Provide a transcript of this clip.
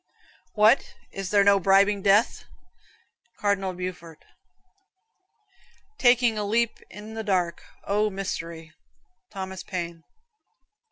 "What, is there no bribing death?" Cardinal Beaufort. "Taking a leap in the dark. O, mystery." Thomas Paine.